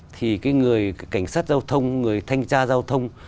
thì cái người cảnh sát giao thông người thanh tra giao thông